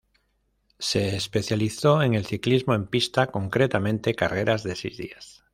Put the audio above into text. Se especializó en el ciclismo en pista concretamente carreras de seis días.